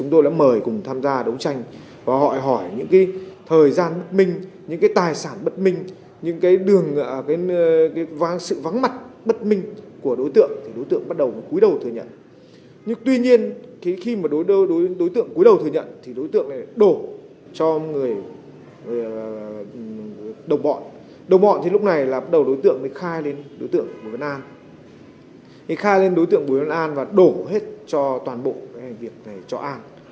đối tượng mới khai lên đối tượng bùi văn an thì khai lên đối tượng bùi văn an và đổ hết cho toàn bộ cái hành vi này cho an